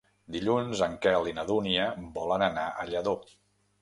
Dilluns en Quel i na Dúnia volen anar a Lladó.